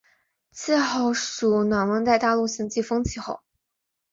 气候属暖温带大陆性季风气候。